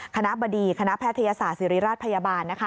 คณะบดีคณะแพทยศาสตร์ศิริราชพยาบาล